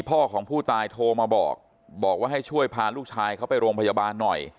พ่อของผู้ตายโทรมาบอกบอกว่าให้ช่วยพาลูกชายเขาไปโรงพยาบาลหน่อย